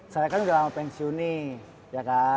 saya kan udah lama pensiun nih